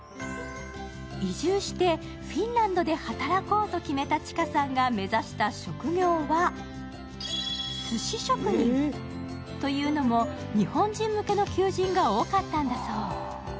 移住してフィンランドで働こうと決めたｃｈｉｋａさんが目指した職業はすし職人。というのも日本人向けの求人が多かったんだそう。